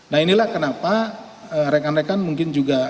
nah inilah kenapa rekan rekan mungkin juga